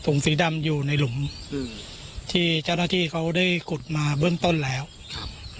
สีดำอยู่ในหลุมอืมที่เจ้าหน้าที่เขาได้ขุดมาเบื้องต้นแล้วครับ